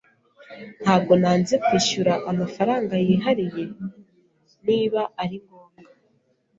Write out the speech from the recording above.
Ntabwo nanze kwishyura amafaranga yihariye niba ari ngombwa.